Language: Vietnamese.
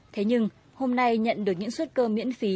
thế nhưng hôm nay nhận được những suất cơm miễn phí